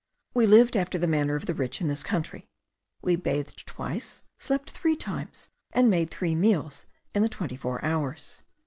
We lived after the manner of the rich in this country; we bathed twice, slept three times, and made three meals in the twenty four hours.